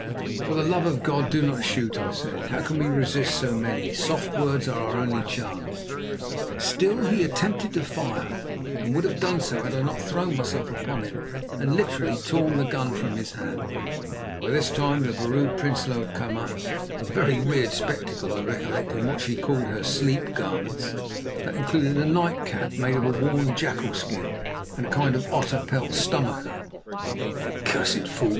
"For the love of God, do not shoot!" I said. "How can we resist so many? Soft words are our only chance." Still he attempted to fire, and would have done so had I not thrown myself upon him and literally torn the gun from his hand. By this time the Vrouw Prinsloo had come up, a very weird spectacle, I recollect, in what she called her "sleep garments," that included a night cap made of a worn jackal skin and a kind of otter pelt stomacher. "Accursed fool!"